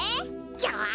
よし！